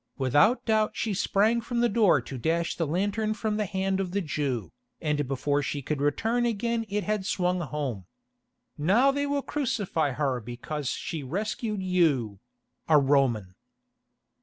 Without doubt she sprang from the door to dash the lantern from the hand of the Jew, and before she could return again it had swung home. Now they will crucify her because she rescued you—a Roman."